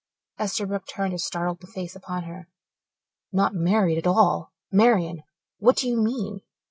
Esterbrook turned a startled face upon her. "Not married at all! Marian, what do you mean?"